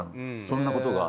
そんなことが。